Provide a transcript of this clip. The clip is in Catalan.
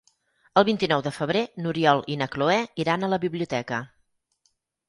El vint-i-nou de febrer n'Oriol i na Cloè iran a la biblioteca.